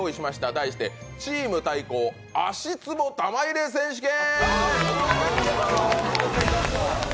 題して「チーム対抗！足つぼ玉入れ選手権」！